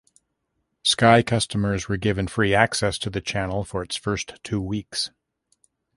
Sky customers were given free access to the channel for its first two weeks.